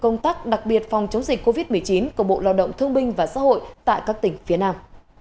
công tác đặc biệt phòng chống dịch covid một mươi chín của bộ lao động thương binh và xã hội tại các tỉnh phía nam